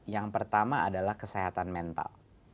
yang pertama adalah kesehatan mental